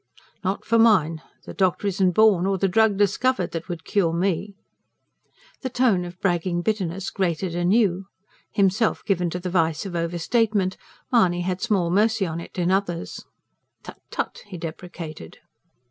"Not for mine! The doctor isn't born or the drug discovered that could cure me." The tone of bragging bitterness grated anew. Himself given to the vice of overstatement, Mahony had small mercy on it in others. "Tut, tut!" he deprecated.